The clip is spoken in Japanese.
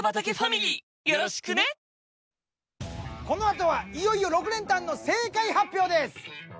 このあとはいよいよ６連単の正解発表です。